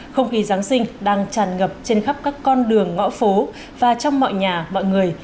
không khí giáng sinh đang tràn ngập trên khắp các con đường ngõ phố và trong mọi nhà mọi người